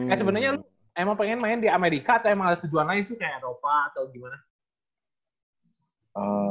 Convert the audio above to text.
eh sebenarnya lu emang pengen main di amerika atau emang ada tujuan lain sih kayak eropa atau gimana